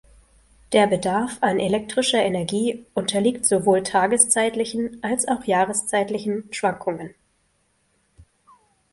Der Bedarf an elektrischer Energie unterliegt sowohl tageszeitlichen als auch jahreszeitlichen Schwankungen.